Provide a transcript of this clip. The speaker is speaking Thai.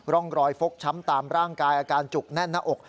ร่องรอยฟกช้ำตามร่างกายอาการจุกแน่นหน้าอก